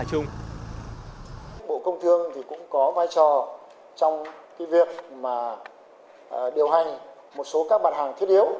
các bộ công thương cũng có vai trò trong việc điều hành một số các mặt hàng thiết yếu